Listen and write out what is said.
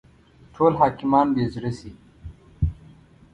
ټول حاکمان بې زړه شي.